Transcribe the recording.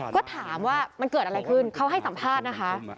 ก็ถามว่ามันเกิดอะไรขึ้นเขาให้สัมภาษณ์นะคะ